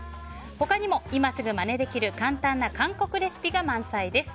他にも、今すぐまねできる簡単な韓国レシピが満載です。